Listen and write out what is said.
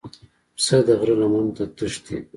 پسه د غره لمنو ته تښتي.